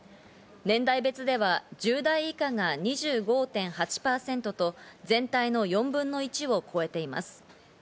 年代別では１０代以下が２５．８％と全体の４分の１を超えています。